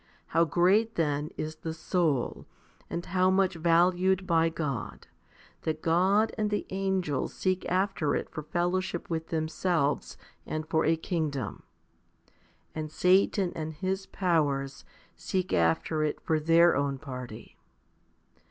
How great then is the soul, and how much valued by God, that God and the angels seek after it for fellowship with themselves and for a kingdom ! And Satan and his powers seek after it for their own party.